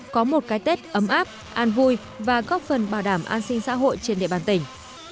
có một cái tết ấm áp an vui và góp phần bảo đảm an sinh xã hội trên địa bàn tỉnh